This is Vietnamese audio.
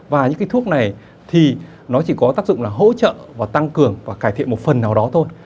và những cái thuốc này thì nó chỉ có tác dụng là hỗ trợ và tăng cường và cải thiện một phần nào đó thôi